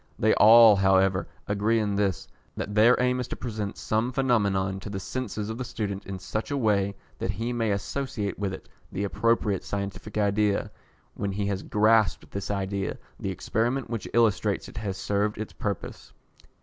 They all, however, agree in this, that their aim is to present some phenomenon to the senses of the student in such a way that he may associate with it the appropriate scientific idea. When he has grasped this idea, the experiment which illustrates it has served its purpose.